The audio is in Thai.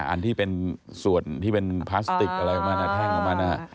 อันที่เป็นส่วนที่เป็นพลาสติกอะไรออกมาแท่งของมันนะฮะ